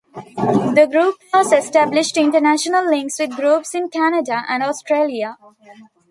The group has established international links with groups in Canada and Australia.